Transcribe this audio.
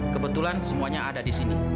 kebetulan semuanya ada di sini